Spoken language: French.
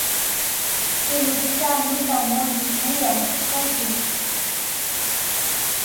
C'est le cas notamment d'une onde à la surface de l'eau.